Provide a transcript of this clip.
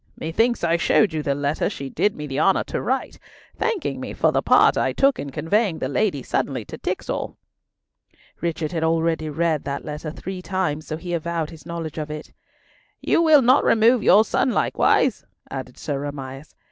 Methinks I showed you the letter she did me the honour to write, thanking me for the part I took in conveying the lady suddenly to Tixall." Richard had already read that letter three times, so he avowed his knowledge of it. "You will not remove your son likewise?" added Sir Amias.